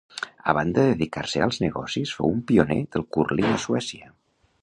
A banda de dedicar-se als negocis, fou un pioner del cúrling a Suècia.